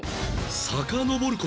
さかのぼる事